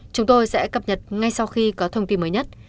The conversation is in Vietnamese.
chúng tôi sẽ cập nhật ngay sau khi có thông tin mới nhất